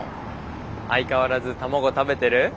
相変わらず卵食べてる？